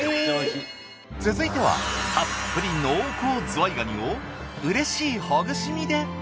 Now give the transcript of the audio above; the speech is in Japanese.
続いてはたっぷり濃厚ずわい蟹をうれしいほぐし身で。